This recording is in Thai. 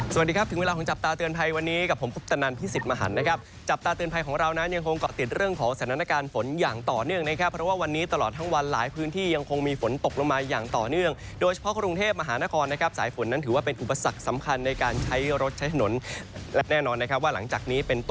สวัสดีครับถึงเวลาของจับตาเตือนไพรวันนี้กับผมพุทธนันพิสิทธิ์มหันนะครับจับตาเตือนไพรของเรานั้นยังคงเกาะติดเรื่องของสถานการณ์ฝนอย่างต่อเนื่องนะครับเพราะว่าวันนี้ตลอดทั้งวันหลายพื้นที่ยังคงมีฝนตกลงมาอย่างต่อเนื่องโดยเฉพาะกรุงเทพมหานครนะครับสายฝนนั้นถือว่าเป็นอุปสรรค